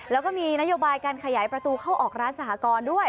แล้วก็มีนโยบายการขยายประตูเข้าออกร้านสหกรด้วย